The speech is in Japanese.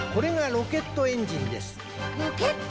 ロケットエンジン？